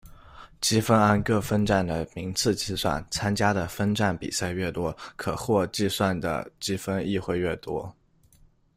积分按各分站的名次计算，参加的分站比赛越多，可获计算的积分亦会越多。